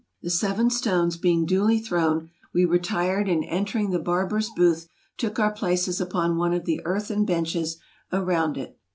'' The seven stones being duly thrown, we retired, and entering the barber's booth, took our places upon one of the earthen benches around it.